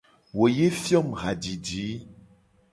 Wo ye fio mu hajiji.